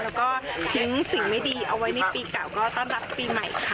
และก็ทิ้งสิ่งไม่ดีเอาไว้ในปีเก่า